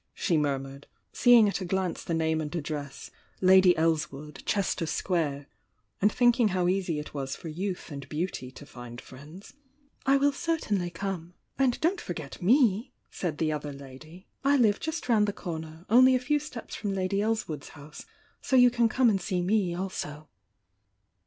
she murmured, — seeing at a glance the name and address "Lady Elswood, Chester Square," and thinking how easy it was for youth and beauty to find friends— "I will certainly come." "And don't forget me!" said the other lady— "I live just round the corner, — only a few steps from Lady Elswood's house, so you can come and see me also."